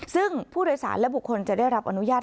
ซึ่งผู้โดยสารและบุคคลจะได้รับอนุญาต